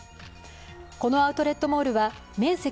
このアウトレットモールは面積